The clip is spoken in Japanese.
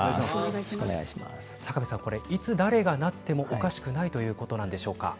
いつ誰がなってもおかしくないということなんでしょうか。